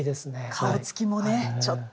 顔つきもねちょっと怖い。